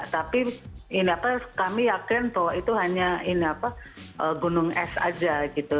tapi ini apa kami yakin bahwa itu hanya ini apa gunung es aja gitu